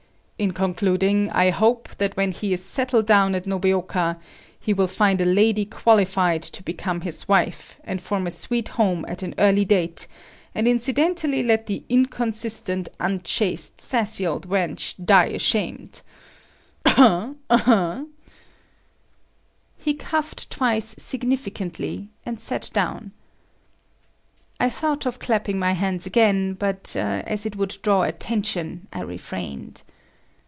In concluding, I hope that when he is settled down at Nobeoka, he will find a lady qualified to become his wife, and form a sweet home at an early date and incidentally let the inconstant, unchaste sassy old wench die ashamed …… a'hum, a'hum!" He coughed twice significantly and sat down. I thought of clapping my hands again, but as it would draw attention, I refrained.